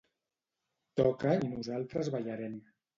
Toca i nosaltres ballarem.